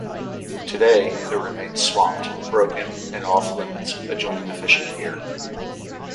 Today, it remains swamped, broken, and off-limits, adjoining a fishing pier.